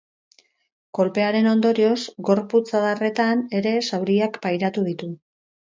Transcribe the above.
Kolpearen ondorioz, gorputz-adarretan ere zauriak pairatu ditu.